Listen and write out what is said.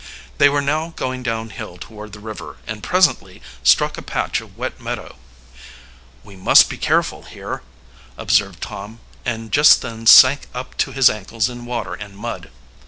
They were now going downhill toward the river, and presently struck a patch of wet meadow. "We must be careful here," observed Tom, and just then sank up to his ankles in water and mud.